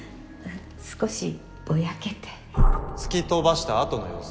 少しぼやけて突き飛ばした後の様子は？